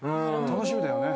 楽しみだよね。